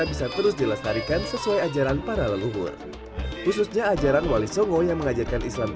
kita berharap bahwa kita berhasil membangun kursus organisasi yang lebih berlainan